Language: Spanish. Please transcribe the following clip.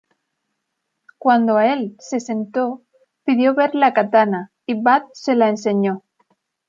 Cuando Elle se sentó, pidió ver la katana, y Budd se la enseñó.